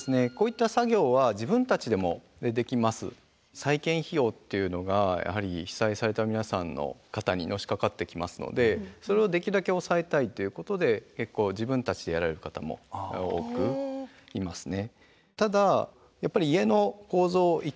再建費用っていうのがやはり被災された皆さんの肩にのしかかってきますのでということで結構自分たちでやられる方も多くいますね。